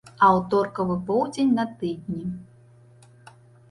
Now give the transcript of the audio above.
Аўторкавы поўдзень на тыдні.